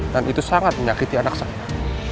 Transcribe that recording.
dan itu sangat menyakiti anak saya